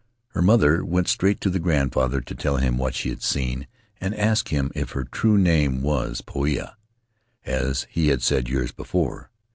Her mother went straight to the grandfather, to tell him what she had seen and ask him if her true name was Poia, as he had said years before.